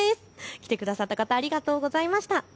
来てくださった方ありがとうございました。